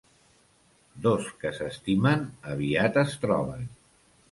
Dos que s'estimen, aviat es troben.